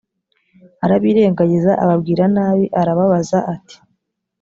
arabirengagiza ababwira nabi arababaza ati